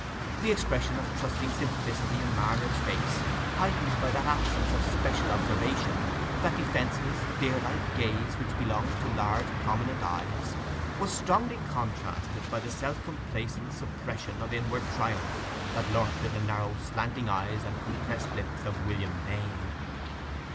The expression of trusting simplicity in Marner's face, heightened by that absence of special observation, that defenceless, deer like gaze which belongs to large prominent eyes, was strongly contrasted by the self complacent suppression of inward triumph that lurked in the narrow slanting eyes and compressed lips of William Dane.